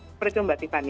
seperti itu mbak tiffany